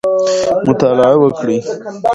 مطالعه وکړئ.